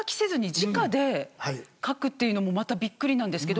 っていうのもまたびっくりなんですけど。